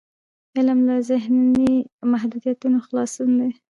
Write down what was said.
علم له ذهني محدودیتونو خلاصون دی.